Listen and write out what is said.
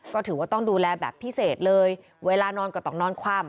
ก็ถือว่าต้องดูแลแบบพิเศษเลยเวลานอนก็ต้องนอนคว่ำ